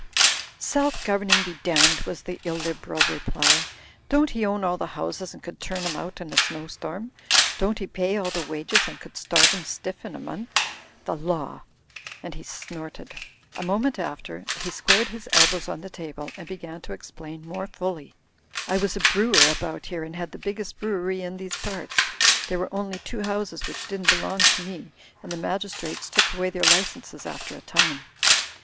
"Self governing be damned," was the illiberal re ply. "Don't he own all the houses and could turn 'em out in a snow storm? Don't 'e pay all the wages and could starve 'em stiff in a month? The Law!" And he snorted. A moment after he squared his elbows on the table and began to explain more fully. "I was a brewer about here and had the biggest brewery in these parts. There were only two houses which didn't belong to me, and the magistrates took away their licenses after a time.